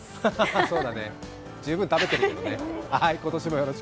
そうだね、十分食べてるけどね。